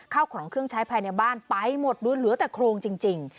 เข้าของเครื่องใช้ภายในบ้านไปหมดดูเหลือแต่โครงจริง